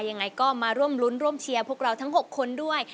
ยังไงก็มาร่วมรุ้นร่วมเชียร์พวกเราทั้ง๖คนด้วย